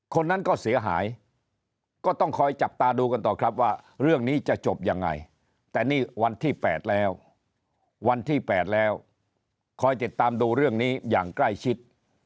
คนนั้นก็เสียหายก็ต้องคอยจับตาดูกันต่อครับว่าเรื่องนี้จะจบยังไงแต่นี่วันที่๘แล้ววันที่๘แล้วคอยติดตามดูเรื่องนี้อย่างใกล้ชิด